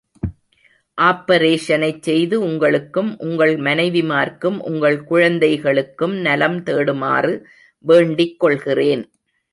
ஆப்பரேஷனைச் செய்து உங்களுக்கும் உங்கள் மனைவி மார்க்கும் உங்கள் குழந்தைகளுக்கும் நலம் தேடுமாறு வேண்டிக்கொள்கிறேன்.